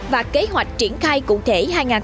và kế hoạch triển khai cụ thể hai nghìn hai mươi